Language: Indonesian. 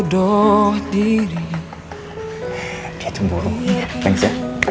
dia cemburu thanks ya